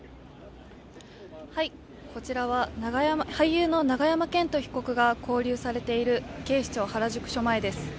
こちらは俳優の永山絢斗被告が拘留されている警視庁原宿署前です。